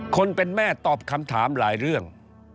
คนเป็นแม่ตอบคำถามหลายเรื่อง